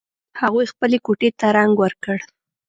هغوی خپلې کوټې ته رنګ ور کړ